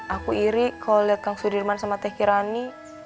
aku iri kalau lihat kang sudirman sama teh kirani